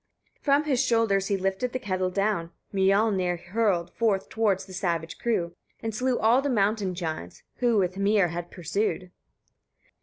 36. From his shoulders he lifted the kettle down; Miollnir hurled forth towards the savage crew, and slew all the mountain giants, who with Hymir had him pursued.